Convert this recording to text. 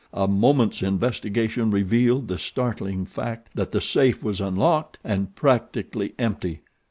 A moment's investigation revealed the startling fact that the safe was unlocked and practically empty.